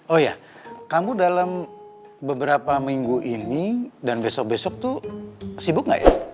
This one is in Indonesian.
oh ya kamu dalam beberapa minggu ini dan besok besok tuh sibuk gak ya